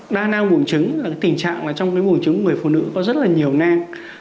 đa năng bùn trứng là tình trạng trong bùn trứng của người phụ nữ có rất là nhiều năng